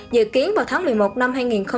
dự kiến vào tháng một mươi một năm hai nghìn hai mươi